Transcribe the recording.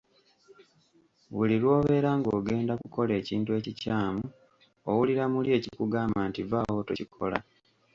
Buli lw'obeera ng'ogenda kukola ekintu ekikyamu owulira muli ekikugamba nti, "Vvaawo tokikola".